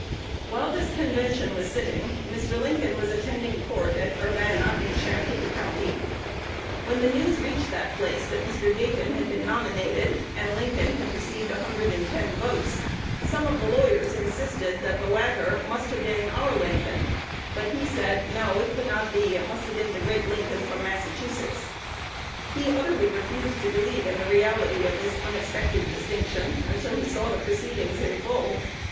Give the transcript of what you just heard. While this convention was sitting, Mr. Lincoln was attending court at Urbana, in Champaign County. When the news reached that place that Mr. Dayton had been nominated, and "Lincoln had received 110 votes," some of the lawyers insisted that the latter must have been "our [their] Lincoln;" but he said, "No, it could not be: it must have been the great Lincoln from Massachusetts." He utterly refused to believe in the reality of this unexpected distinction until he saw the proceedings in full.